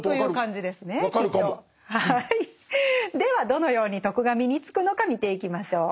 どのように「徳」が身につくのか見ていきましょう。